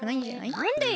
なんでよ？